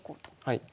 はい。